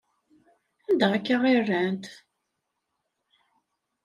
Anda akka i rrant?